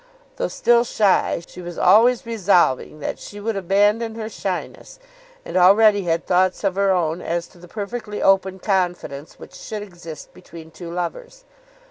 Though still shy, she was always resolving that she would abandon her shyness, and already had thoughts of her own as to the perfectly open confidence which should exist between two lovers.